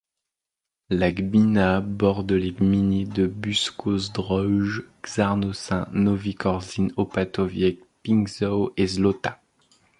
La gmina borde les gminy de Busko-Zdrój, Czarnocin, Nowy Korczyn, Opatowiec, Pińczów et Złota.